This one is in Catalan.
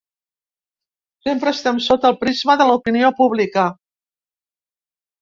Sempre estem sota el prisma de l’opinió pública.